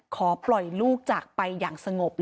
ขอปล่อยลูกจากไปอย่างสงบ